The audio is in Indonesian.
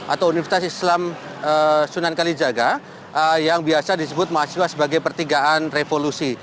atau universitas islam sunan kalijaga yang biasa disebut mahasiswa sebagai pertigaan revolusi